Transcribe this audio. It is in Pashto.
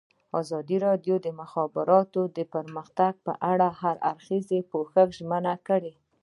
ازادي راډیو د د مخابراتو پرمختګ په اړه د هر اړخیز پوښښ ژمنه کړې.